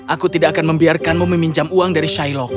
aku tidak akan membiarkanmu meminjam uang dari shailo